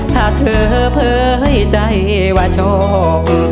ถ้าเธอเผยใจว่าโชค